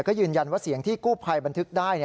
ก็ยืนยันว่าเสียงที่กู้ภัยบันทึกได้